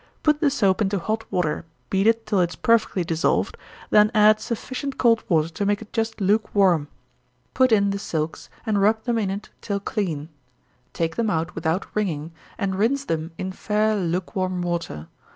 Put the soap into hot water, beat it till it is perfectly dissolved, then add sufficient cold water to make it just lukewarm. Put in the silks, and rub them in it till clean; take them out without wringing, and rinse them in fair lukewarm water.